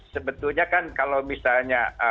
sebetulnya kan kalau misalnya